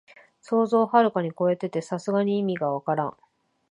想像をはるかにこえてて、さすがに意味がわからん